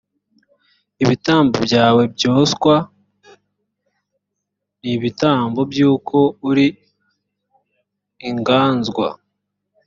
ibitambo byawe byoswa n ibitambo by uko uri inganzwa